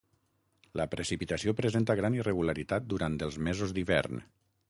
La precipitació presenta gran irregularitat durant els mesos d'hivern.